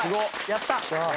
やった！